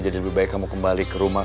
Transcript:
jadi lebih baik kamu kembali ke rumah